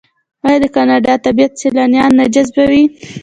آیا د کاناډا طبیعت سیلانیان نه جذبوي؟